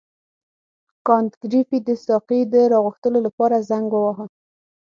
کانت ګریفي د ساقي د راغوښتلو لپاره زنګ وواهه.